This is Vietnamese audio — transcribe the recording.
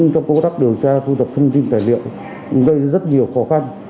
trong công tác điều tra thu thập thông tin tài liệu gây rất nhiều khó khăn